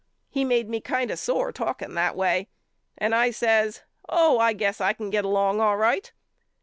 He made me kind of sore talking that way and I says Oh I guess I can get along all right.